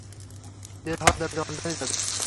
বের হওয়ার দরজা বন্ধ হয়ে যাবে!